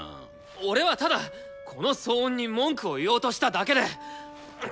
俺はただこの騒音に文句を言おうとしただけで！